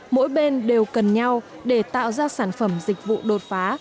mỗi bên đều cần nhau để tạo ra sản phẩm dịch vụ đột phá